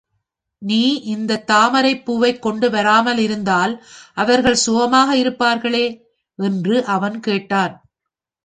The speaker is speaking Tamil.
நீ இந்தத் தாமரைப்பூவைக் கொண்டு வராமலிருந்தால் அவர்கள் சுகமாக இருப்பார்களே! என்று அவன் கேட்டான்.